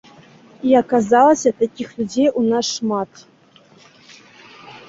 І аказалася, такіх людзей у нас шмат.